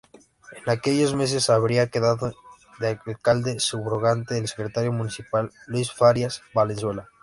En aquellos meses habría quedado de alcalde subrogante el secretario municipal Luis Farías Valenzuela.